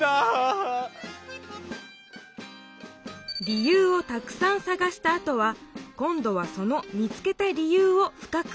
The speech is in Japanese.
理由をたくさんさがしたあとは今どはその見つけた理由を深くほり下げる。